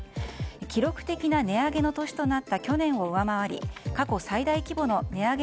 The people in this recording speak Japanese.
記録的な値上げの年となった去年を上回り過去最大規模の値上げ